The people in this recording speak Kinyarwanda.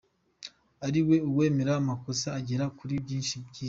ariko uwemera amakosa agera kuri byinshi byiza.